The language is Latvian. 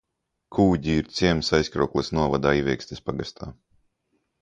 Ķūģi ir ciems Aizkraukles novada Aiviekstes pagastā.